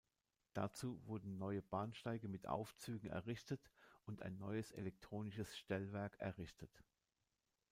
Dazu wurden neue Bahnsteige mit Aufzügen errichtet und ein neues elektronisches Stellwerk errichtet.